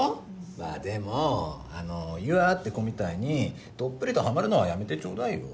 まあでもあの優愛って子みたいにどっぷりとハマるのはやめてちょうだいよ。